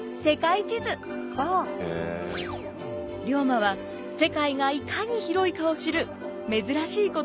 龍馬は世界がいかに広いかを知る珍しい子どもでした。